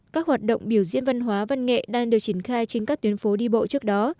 các hoạt động biểu diễn văn hóa văn nghệ đang được triển khai trên các tuyến phố đi bộ trước đó